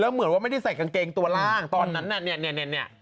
แล้วเหมือนว่าไม่ได้ใส่กางเกงตัวล่างตอนนั้นเนี่ยเนี่ยเนี่ยเนี่ย